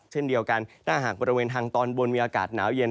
เช่นเดียวกันถ้าหากบริเวณทางตอนบนมีอากาศหนาวเย็น